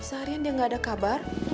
seharian dia nggak ada kabar